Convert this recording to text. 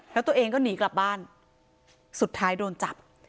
แล้วตัวเองก็หนีกลับบ้านสุดท้ายโดนจับ